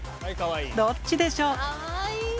どっちでしょう。